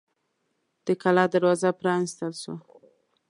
د کلا دروازه پرانیستل شوه.